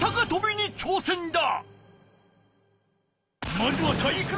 まずは体育ノ